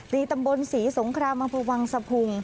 ดีตำบลศรีสงครามพวังสภุงษ์